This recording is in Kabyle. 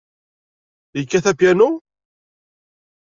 Yekkat apyanu?